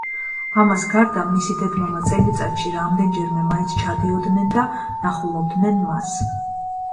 ამას გარდა, მისი დედ-მამა წელიწადში რამდენჯერმე მაინც ჩადიოდნენ და ნახულობდნენ მას.